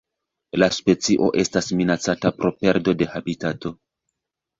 La specio estas minacata pro perdo de habitato.